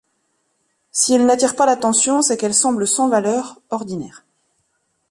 Si elle n'attire pas l'attention c'est qu'elle semble sans valeur, ordinaire.